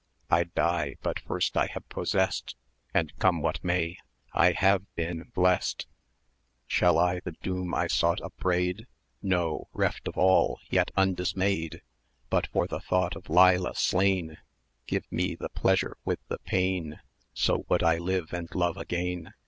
I die but first I have possessed, And come what may, I have been blessed. Shall I the doom I sought upbraid? No reft of all, yet undismayed[eg] But for the thought of Leila slain, Give me the pleasure with the pain, So would I live and love again.